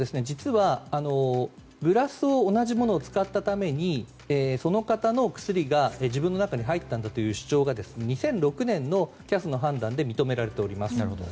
実はグラスを同じものを使ったためにその方の薬が自分の中に入ったんだという主張が２００６年のＣＡＳの判断で認められております。